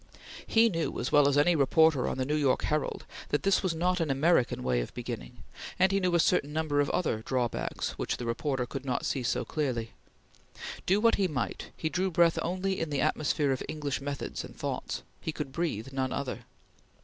He knew, as well as any reporter on the New York Herald, that this was not an American way of beginning, and he knew a certain number of other drawbacks which the reporter could not see so clearly. Do what he might, he drew breath only in the atmosphere of English methods and thoughts; he could breathe none other.